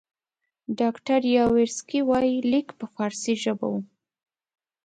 ډاکټر یاورسکي وایي لیک په فارسي ژبه وو.